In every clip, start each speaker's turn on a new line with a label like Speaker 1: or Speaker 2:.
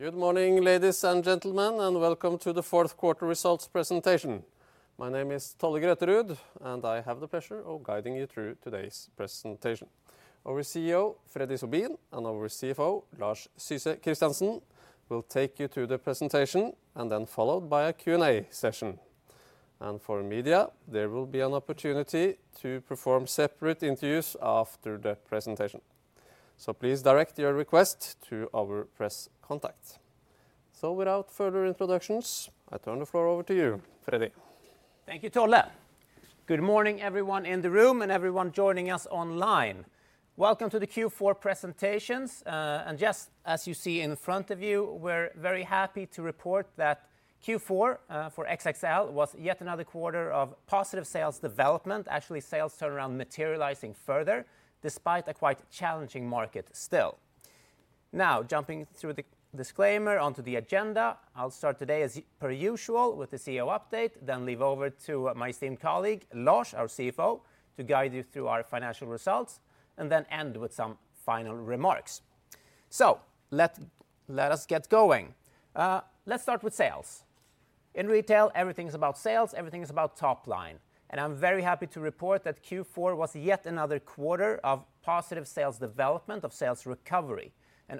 Speaker 1: Good morning, ladies and gentlemen, and welcome to the fourth quarter results presentation. My name is Tolle Grøterud, and I have the pleasure of guiding you through today's presentation. Our CEO, Freddy Sobin, and our CFO, Lars Christiansen, will take you through the presentation, followed by a Q&A session. For media, there will be an opportunity to perform separate interviews after the presentation. Please direct your request to our press contacts. Without further introductions, I turn the floor over to you, Freddy.
Speaker 2: Thank you, Tolle. Good morning, everyone in the room and everyone joining us online. Welcome to the Q4 presentations. Yes, as you see in front of you, we're very happy to report that Q4 for XXL was yet another quarter of positive sales development, actually sales turnaround materializing further, despite a quite challenging market still. Now, jumping through the disclaimer onto the agenda, I'll start today as per usual with the CEO update, then leave over to my esteemed colleague, Lars, our CFO, to guide you through our financial results, and then end with some final remarks. Let us get going. Let's start with sales. In retail, everything's about sales, everything's about top line. I'm very happy to report that Q4 was yet another quarter of positive sales development, of sales recovery.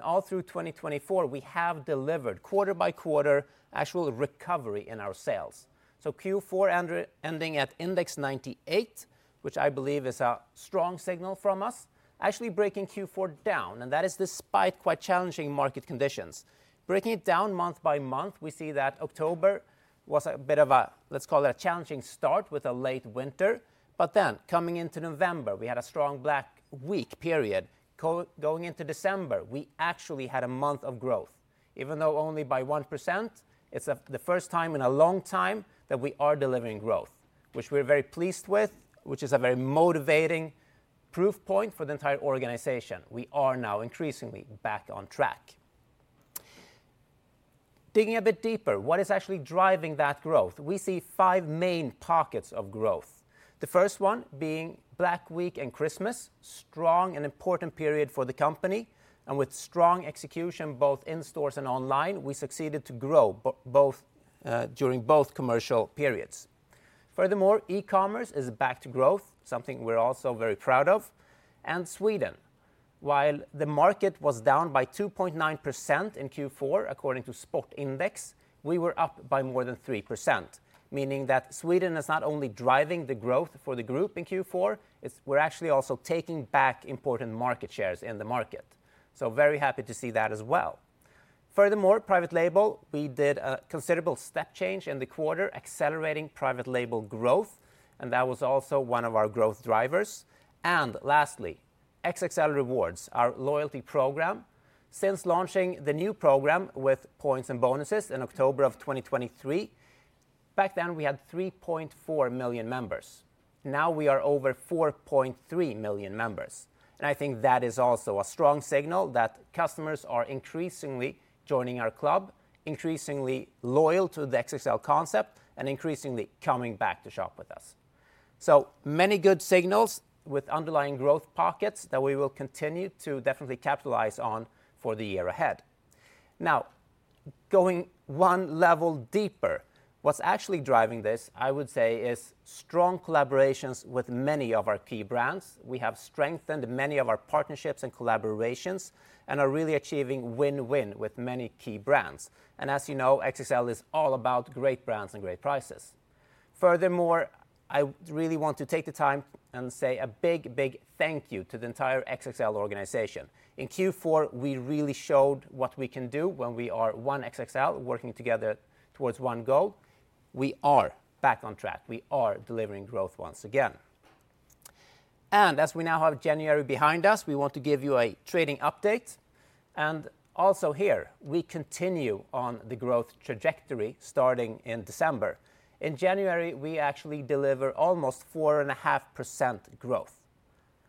Speaker 2: All through 2024, we have delivered quarter by quarter actual recovery in our sales. Q4 ending at index 98, which I believe is a strong signal from us, actually breaking Q4 down, and that is despite quite challenging market conditions. Breaking it down month by month, we see that October was a bit of a, let's call it a challenging start with a late winter. Coming into November, we had a strong Black Week period. Going into December, we actually had a month of growth, even though only by 1%. It's the first time in a long time that we are delivering growth, which we're very pleased with, which is a very motivating proof point for the entire organization. We are now increasingly back on track. Digging a bit deeper, what is actually driving that growth? We see five main pockets of growth. The first one being Black Week and Christmas, a strong and important period for the company. With strong execution both in stores and online, we succeeded to grow during both commercial periods. Furthermore, e-commerce is back to growth, something we're also very proud of. Sweden, while the market was down by 2.9% in Q4, according to Sport Index, we were up by more than 3%, meaning that Sweden is not only driving the growth for the group in Q4, we're actually also taking back important market shares in the market. Very happy to see that as well. Furthermore, private label, we did a considerable step change in the quarter, accelerating private label growth, and that was also one of our growth drivers. Lastly, XXL Rewards, our loyalty program. Since launching the new program with points and bonuses in October of 2023, back then we had 3.4 million members. Now we are over 4.3 million members. I think that is also a strong signal that customers are increasingly joining our club, increasingly loyal to the XXL concept, and increasingly coming back to shop with us. So many good signals with underlying growth pockets that we will continue to definitely capitalize on for the year ahead. Now, going one level deeper, what's actually driving this, I would say, is strong collaborations with many of our key brands. We have strengthened many of our partnerships and collaborations and are really achieving win-win with many key brands. As you know, XXL is all about great brands and great prices. Furthermore, I really want to take the time and say a big, big thank you to the entire XXL organization. In Q4, we really showed what we can do when we are one XXL working together towards one goal. We are back on track. We are delivering growth once again. As we now have January behind us, we want to give you a trading update. Also here, we continue on the growth trajectory starting in December. In January, we actually deliver almost 4.5% growth.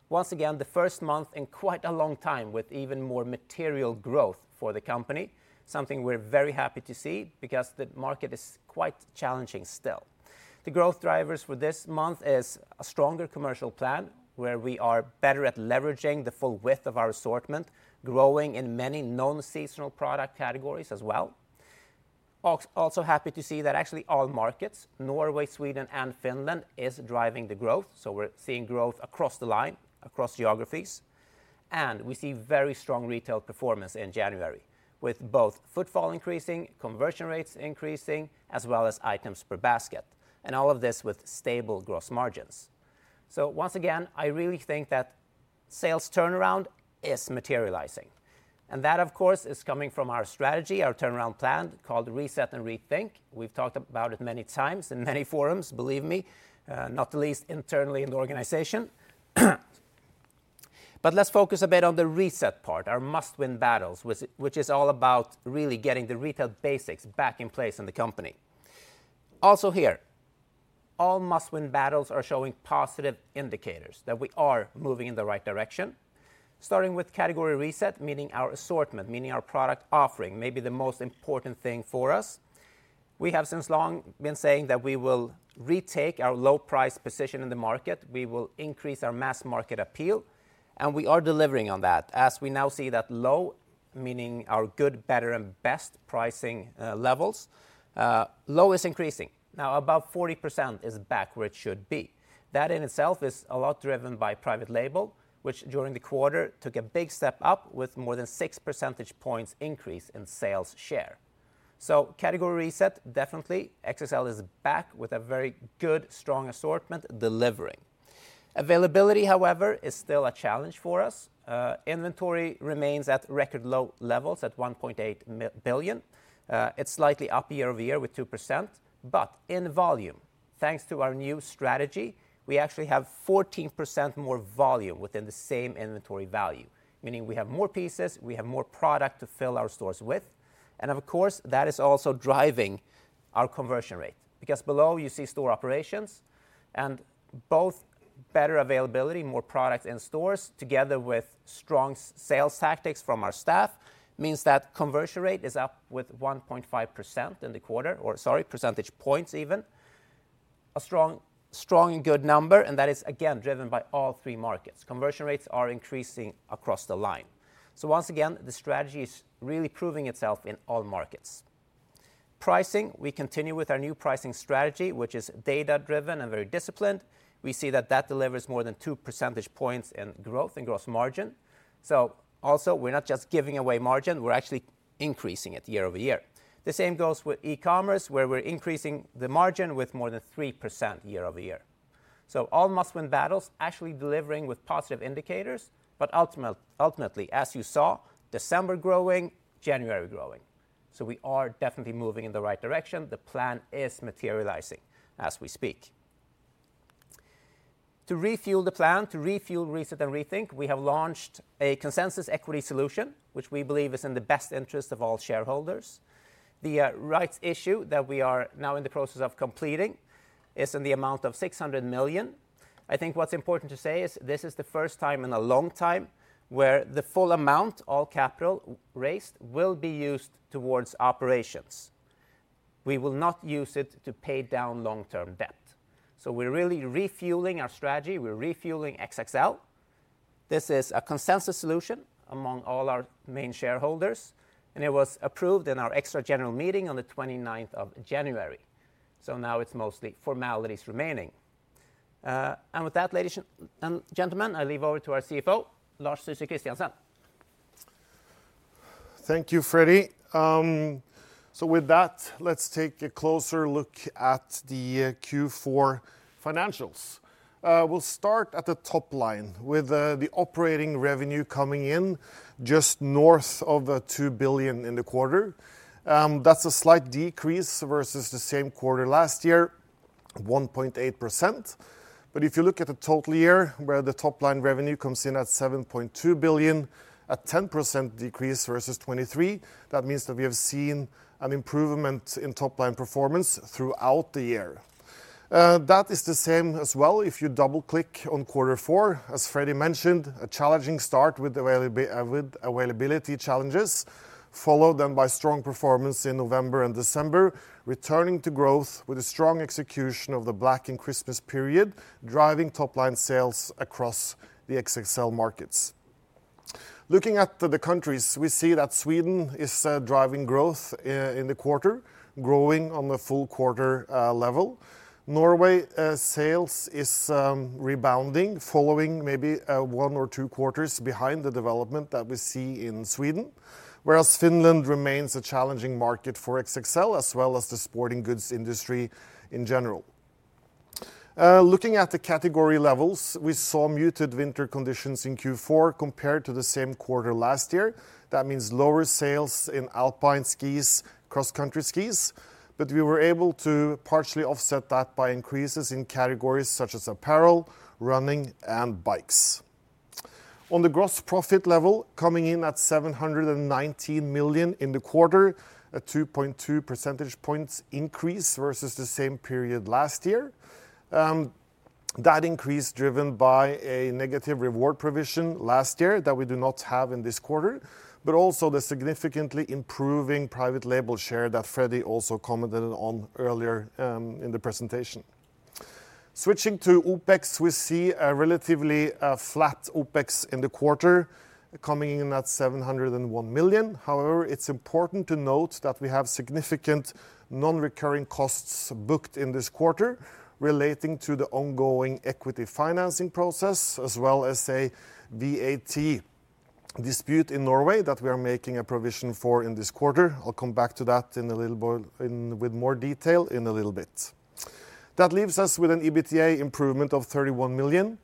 Speaker 2: Once again, the first month in quite a long-time with even more material growth for the company, something we're very happy to see because the market is quite challenging still. The growth drivers for this month are a stronger commercial plan where we are better at leveraging the full width of our assortment, growing in many non-seasonal product categories as well. Also happy to see that actually all markets, Norway, Sweden, and Finland, are driving the growth. We are seeing growth across the line, across geographies. We see very strong retail performance in January with both footfall increasing, conversion rates increasing, as well as items per basket. All of this with stable gross margins. I really think that sales turnaround is materializing. That, of course, is coming from our strategy, our turnaround plan called Reset & Rethink. We've talked about it many times in many forums, believe me, not the least internally in the organization. Let's focus a bit on the reset part, our must-win battles, which is all about really getting the retail basics back in place in the company. Also here, all must-win battles are showing positive indicators that we are moving in the right direction, starting with category reset, meaning our assortment, meaning our product offering, maybe the most important thing for us. We have since long been saying that we will retake our low-price position in the market. We will increase our mass market appeal, and we are delivering on that. As we now see that low, meaning our good, better, and best pricing levels, low is increasing. Now about 40% is back where it should be. That in itself is a lot driven by private label, which during the quarter took a big step up with more than 6% points increase in sales share. Category reset, definitely XXL is back with a very good, strong assortment delivering. Availability, however, is still a challenge for us. Inventory remains at record low levels at 1.8 billion. It's slightly up year-over-year with 2%, but in volume, thanks to our new strategy, we actually have 14% more volume within the same inventory value, meaning we have more pieces, we have more product to fill our stores with. Of course, that is also driving our conversion rate because below you see store operations and both better availability, more products in stores together with strong sales tactics from our staff means that conversion rate is up with 1.5% points in the quarter, or sorry, percentage points even. A strong, strong and good number, and that is again driven by all three markets. Conversion rates are increasing across the line. Once again, the strategy is really proving itself in all markets. Pricing, we continue with our new pricing strategy, which is data-driven and very disciplined. We see that that delivers more than 2% points in growth and gross margin. Also, we're not just giving away margin, we're actually increasing it year-over-year. The same goes with e-commerce where we're increasing the margin with more than 3% year-over-year. All must-win battles actually delivering with positive indicators, but ultimately, as you saw, December growing, January growing. We are definitely moving in the right direction. The plan is materializing as we speak. To refuel the plan, to refuel Reset & Rethink, we have launched a consensus equity solution, which we believe is in the best interest of all shareholders. The rights issue that we are now in the process of completing is in the amount of 600 million. I think what's important to say is this is the first time in a long-time where the full amount, all capital raised, will be used towards operations. We will not use it to pay down long-term debt. We are really refueling our strategy. We are refueling XXL. This is a consensus solution among all our main shareholders, and it was approved in our extra General Meeting on the 29th of January. Now it is mostly formalities remaining. With that, ladies and gentlemen, I leave over to our CFO, Lars Christiansen.
Speaker 3: Thank you, Freddy. With that, let's take a closer look at the Q4 financials. We'll start at the top line with the operating revenue coming in just north of 2 billion in the quarter. That is a slight decrease versus the same quarter last year, 1.8%. If you look at the total year where the top line revenue comes in at 7.2 billion, a 10% decrease versus 2023, that means that we have seen an improvement in top line performance throughout the year. That is the same as well. If you double-click on quarter four, as Freddy mentioned, a challenging start with availability challenges, followed then by strong performance in November and December, returning to growth with a strong execution of the Black and Christmas period, driving top line sales across the XXL markets. Looking at the countries, we see that Sweden is driving growth in the quarter, growing on the full quarter level. Norway sales is rebounding, following maybe one or two quarters behind the development that we see in Sweden, whereas Finland remains a challenging market for XXL, as well as the sporting goods industry in general. Looking at the category levels, we saw muted winter conditions in Q4 compared to the same quarter last year. That means lower sales in alpine skis, cross-country skis, but we were able to partially offset that by increases in categories such as apparel, running, and bikes. On the gross profit level, coming in at 719 million in the quarter, a 2.2% points increase versus the same period last year. That increase driven by a negative reward provision last year that we do not have in this quarter, but also the significantly improving private label share that Freddy also commented on earlier in the presentation. Switching to OpEx, we see a relatively flat OpEx in the quarter, coming in at 701 million. However, it's important to note that we have significant non-recurring costs booked in this quarter relating to the ongoing equity financing process, as well as a VAT dispute in Norway that we are making a provision for in this quarter. I'll come back to that in a little bit with more detail in a little bit. That leaves us with an EBITDA improvement of 31 million.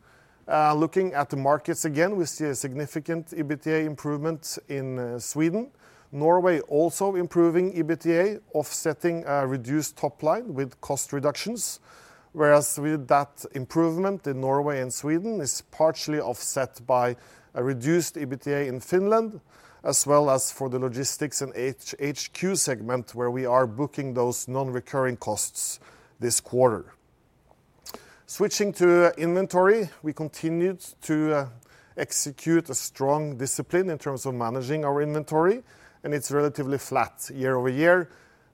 Speaker 3: Looking at the markets again, we see a significant EBITDA improvement in Sweden. Norway also improving EBITDA, offsetting a reduced top line with cost reductions, whereas with that improvement in Norway and Sweden is partially offset by a reduced EBITDA in Finland, as well as for the logistics and HQ segment where we are booking those non-recurring costs this quarter. Switching to inventory, we continued to execute a strong discipline in terms of managing our inventory, and it is relatively flat year-over-year.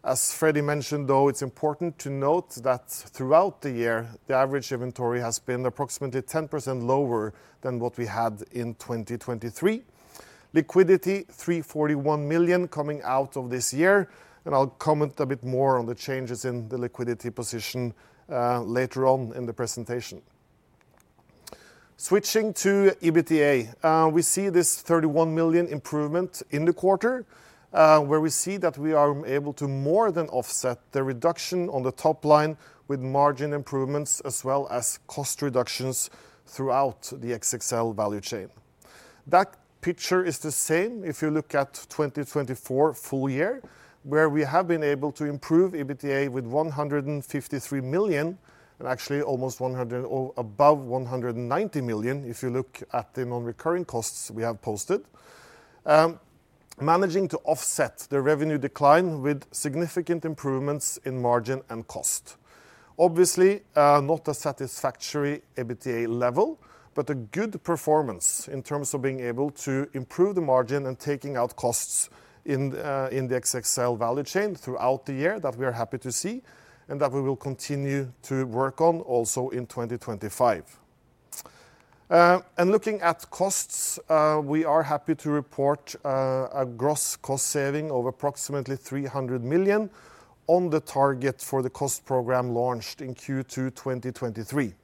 Speaker 3: As Freddy mentioned, though, it is important to note that throughout the year, the average inventory has been approximately 10% lower than what we had in 2023. Liquidity, 341 million coming out of this year, and I will comment a bit more on the changes in the liquidity position later on in the presentation. Switching to EBITDA, we see this 31 million improvement in the quarter where we see that we are able to more than offset the reduction on the top line with margin improvements as well as cost reductions throughout the XXL value chain. That picture is the same if you look at 2024 full-year where we have been able to improve EBITDA with 153 million and actually almost above 190 million if you look at the non-recurring costs we have posted, managing to offset the revenue decline with significant improvements in margin and cost. Obviously, not a satisfactory EBITDA level, but a good performance in terms of being able to improve the margin and taking out costs in the XXL value chain throughout the year that we are happy to see and that we will continue to work on also in 2025. Looking at costs, we are happy to report a gross cost saving of approximately 300 million on the target for the cost program launched in Q2 2023.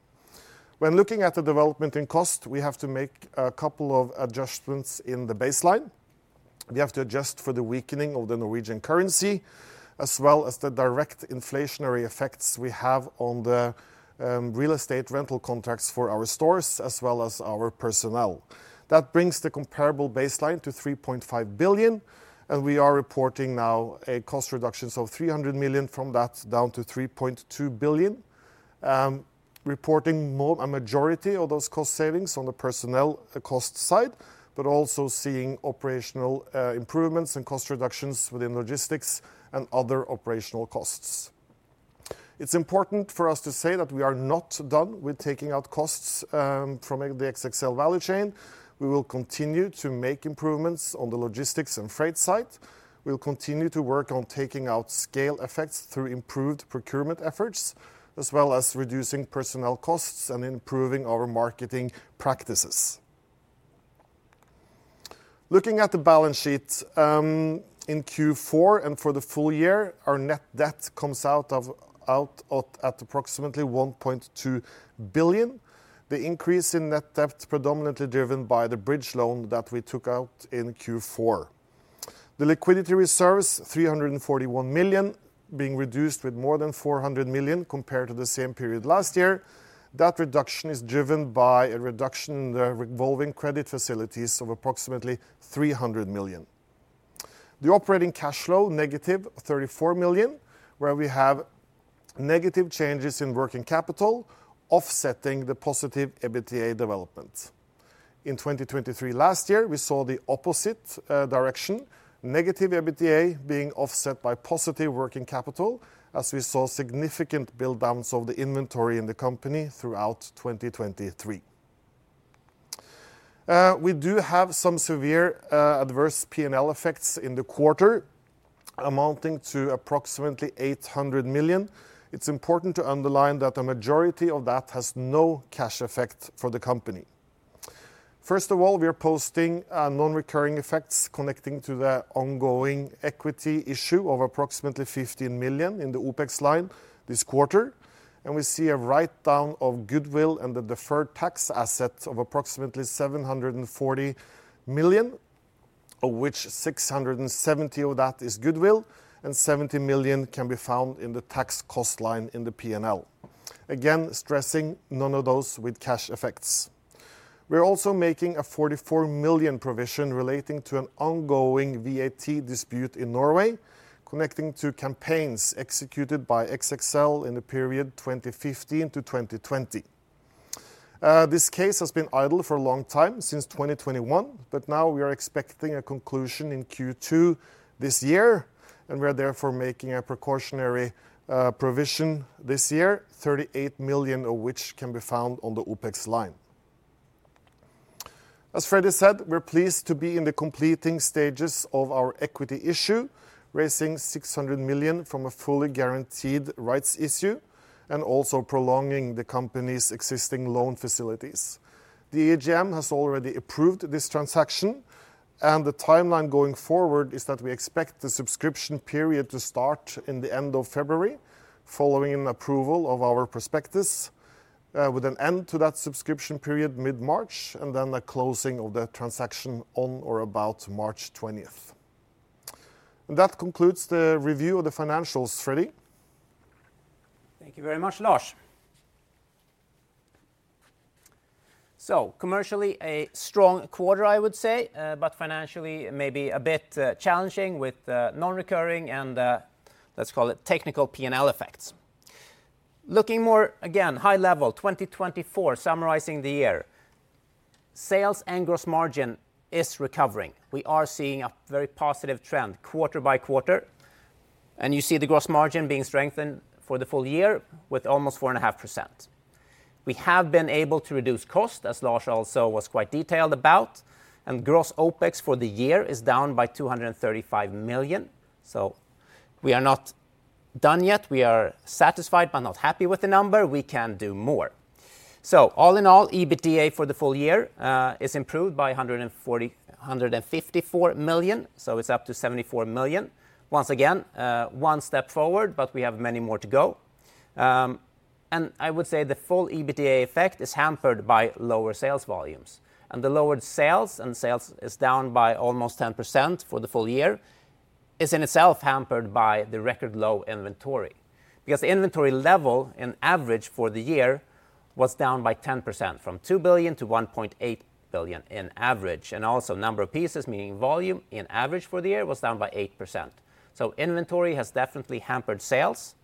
Speaker 3: When looking at the development in cost, we have to make a couple of adjustments in the baseline. We have to adjust for the weakening of the Norwegian currency as well as the direct inflationary effects we have on the real estate rental contracts for our stores as well as our personnel. That brings the comparable baseline to 3.5 billion, and we are reporting now a cost reduction of 300 million from that down to 3.2 billion, reporting a majority of those cost savings on the personnel cost side, but also seeing operational improvements and cost reductions within logistics and other operational costs. It's important for us to say that we are not done with taking out costs from the XXL value chain. We will continue to make improvements on the logistics and freight side. We'll continue to work on taking out scale effects through improved procurement efforts, as well as reducing personnel costs and improving our marketing practices. Looking at the balance sheet in Q4 and for the full-year, our net debt comes out at approximately 1.2 billion, the increase in net debt predominantly driven by the bridge loan that we took out in Q4. The liquidity reserves, 341 million, being reduced with more than 400 million compared to the same period last year. That reduction is driven by a reduction in the revolving credit facilities of approximately 300 million. The operating cash flow, -34 million, where we have negative changes in working capital offsetting the positive EBITDA development. In 2023 last year, we saw the opposite direction, negative EBITDA being offset by positive working capital as we saw significant build-ups of the inventory in the company throughout 2023. We do have some severe adverse P&L effects in the quarter amounting to approximately 800 million. It's important to underline that a majority of that has no cash effect for the company. First of all, we are posting non-recurring effects connecting to the ongoing equity issue of approximately 15 million in the UPEX Line this quarter, and we see a write-down of goodwill and the deferred tax asset of approximately 740 million, of which 670 million of that is goodwill and 70 million can be found in the tax cost line in the P&L. Again, stressing none of those with cash effects. We're also making a 44 million provision relating to an ongoing VAT dispute in Norway connecting to campaigns executed by XXL in the period 2015-2020. This case has been idle for a long time since 2021, but now we are expecting a conclusion in Q2 this year, and we're therefore making a precautionary provision this year, 38 million of which can be found on the UPEX Line. As Freddy said, we're pleased to be in the completing stages of our equity issue, raising 600 million from a fully guaranteed rights issue and also prolonging the company's existing loan facilities. The AGM has already approved this transaction, and the timeline going forward is that we expect the subscription period to start in the end of February following an approval of our prospectus, with an end to that subscription period mid-March and the closing of the transaction on or about March 20th. That concludes the review of the financials, Freddy.
Speaker 2: Thank you very much, Lars. Commercially a strong quarter, I would say, but financially maybe a bit challenging with non-recurring and let's call it technical P&L effects. Looking more again, high level, 2024, summarizing the year, sales and gross margin is recovering. We are seeing a very positive trend quarter by quarter, and you see the gross margin being strengthened for the full-year with almost 4.5%. We have been able to reduce cost, as Lars also was quite detailed about, and gross OpEx for the year is down by 235 million. We are not done yet. We are satisfied but not happy with the number. We can do more. All in all, EBITDA for the full year is improved by 154 million, so it is up to 74 million. Once again, one step forward, but we have many more to go. I would say the full EBITDA effect is hampered by lower sales volumes, and the lower sales and sales is down by almost 10% for the full-year is in itself hampered by the record low inventory because the inventory level in average for the year was down by 10% from 2 billion to 1.8 billion in average. Also, number of pieces, meaning volume in average for the year was down by 8%. Inventory has definitely hampered sales,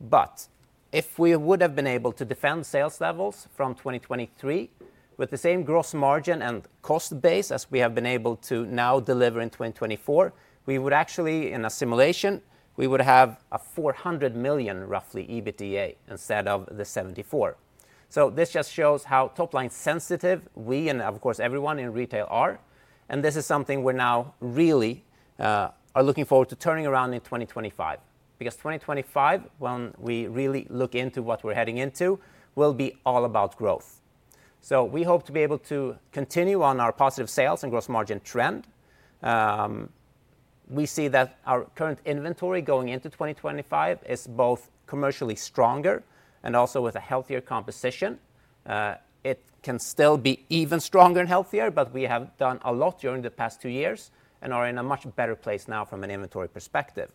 Speaker 2: but if we would have been able to defend sales levels from 2023 with the same gross margin and cost base as we have been able to now deliver in 2024, we would actually, in a simulation, have a 400 million roughly EBITDA instead of the 74 million. This just shows how top line sensitive we and of course everyone in retail are, and this is something we're now really looking forward to turning around in 2025 because 2025, when we really look into what we're heading into, will be all about growth. We hope to be able to continue on our positive sales and gross margin trend. We see that our current inventory going into 2025 is both commercially stronger and also with a healthier composition. It can still be even stronger and healthier, but we have done a lot during the past two years and are in a much better place now from an inventory perspective.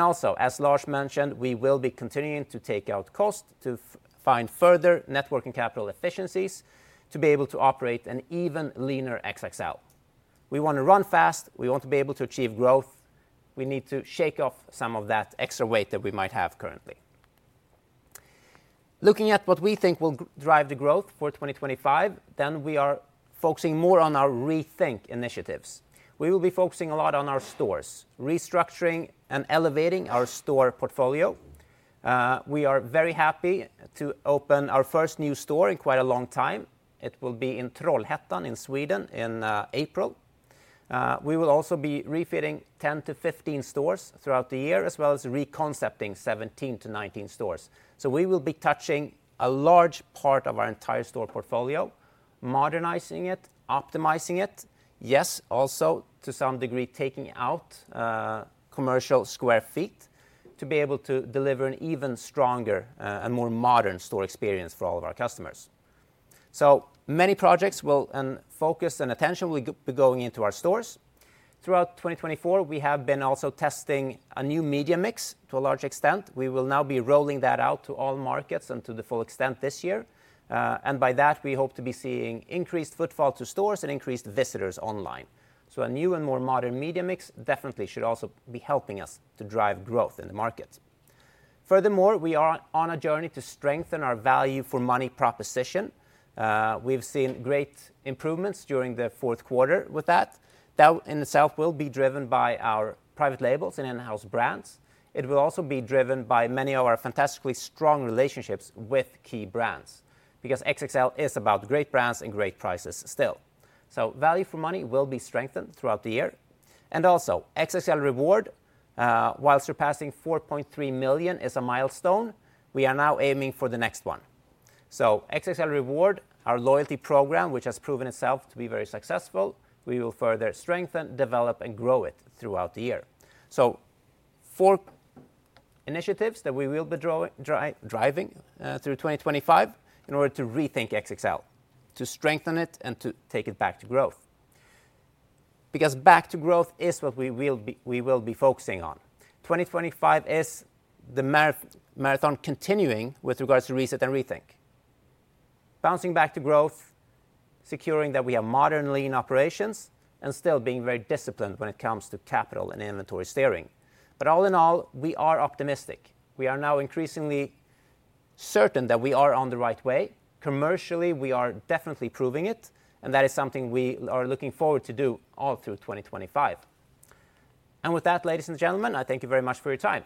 Speaker 2: Also, as Lars mentioned, we will be continuing to take out cost to find further networking capital efficiencies to be able to operate an even leaner XXL. We want to run fast. We want to be able to achieve growth. We need to shake off some of that extra weight that we might have currently. Looking at what we think will drive the growth for 2025, we are focusing more on our rethink initiatives. We will be focusing a lot on our stores, restructuring and elevating our store portfolio. We are very happy to open our first new store in quite a long time. It will be in Trollhättan in Sweden in April. We will also be refitting 10-15 stores throughout the year, as well as reconcepting 17-19 stores. We will be touching a large part of our entire store portfolio, modernizing it, optimizing it. Yes, also to some degree taking out commercial square feet to be able to deliver an even stronger and more modern store experience for all of our customers. Many projects will and focus and attention will be going into our stores. Throughout 2024, we have been also testing a new media mix to a large extent. We will now be rolling that out to all markets and to the full extent this year. By that, we hope to be seeing increased footfall to stores and increased visitors online. A new and more modern media mix definitely should also be helping us to drive growth in the market. Furthermore, we are on a journey to strengthen our value for money proposition. We've seen great improvements during the fourth quarter with that. That in itself will be driven by our private labels and in-house brands. It will also be driven by many of our fantastically strong relationships with key brands because XXL is about great brands and great prices still. Value for money will be strengthened throughout the year. XXL Reward, while surpassing 4.3 million is a milestone, and we are now aiming for the next one. XXL Reward, our loyalty program, which has proven itself to be very successful, we will further strengthen, develop, and grow it throughout the year. Four initiatives that we will be driving through 2025 in order to rethink XXL, to strengthen it, and to take it back to growth. Back to growth is what we will be focusing on. 2025 is the marathon continuing with regards to reset and rethink. Bouncing back to growth, securing that we are modernly in operations and still being very disciplined when it comes to capital and inventory steering. All in all, we are optimistic. We are now increasingly certain that we are on the right way. Commercially, we are definitely proving it, and that is something we are looking forward to do all through 2025. With that, ladies and gentlemen, I thank you very much for your time.